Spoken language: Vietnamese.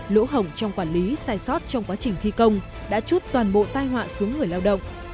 lỗ hổng trong quản lý sai sót trong quá trình thi công đã chút toàn bộ tai họa xuống người lao động